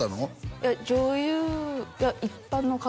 いや女優いや一般の方